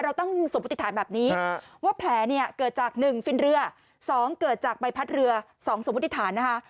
เราต้องสมพุทธิฐานแบบนี้ว่าแผลเกิดจากหนึ่งฟิลเรือสองเกิดจากใบพัดเรือสองสมพุทธิฐานนะฮะ